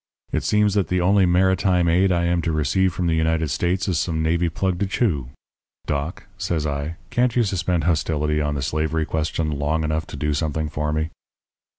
It seems that the only maritime aid I am to receive from the United States is some navy plug to chew. Doc,' says I, 'can't you suspend hostility on the slavery question long enough to do something for me?'